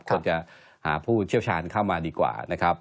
ควรจะหาผู้เชี่ยวชาญเข้ามาดีกว่านะครับ